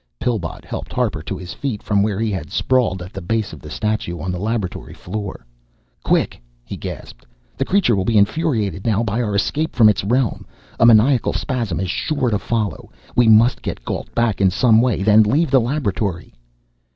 Pillbot helped Harper to his feet, from where he had sprawled at the base of the statue, on the laboratory floor. "Quick," he gasped. "The Creature will be infuriated now, by our escape from Its realm. A maniacal spasm is sure to follow. We must get Gault back in some way, then leave the laboratory."